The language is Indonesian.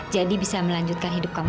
jadi bisa melanjutkan hidup kamu